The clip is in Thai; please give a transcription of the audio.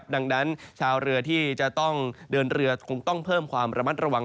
ดังนั้นชาวเรือที่จะต้องเดินเรือคงต้องเพิ่มความระมัดระวัง